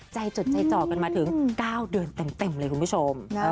จดใจจ่อกันมาถึง๙เดือนเต็มเลยคุณผู้ชม